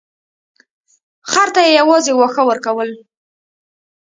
خر ته یې یوازې واښه ورکول.